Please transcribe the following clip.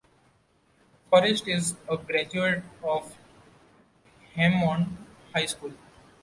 Forrest is a graduate of Hammond High School.